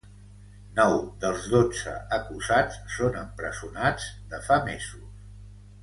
Nou dels dotze acusats són empresonats de fa mesos.